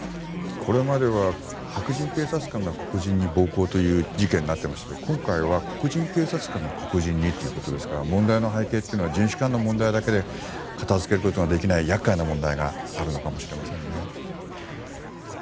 これまでは白人警察官が黒人に暴行という事件になっていましたけど今回は黒人警察官が黒人にということですから問題の背景というのは人種間の問題で片づけることができない厄介な問題かもしれませんね。